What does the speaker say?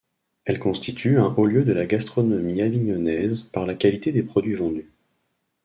Elles constituent un haut-lieu de la gastronomie avignonnaise, par la qualité des produits vendus.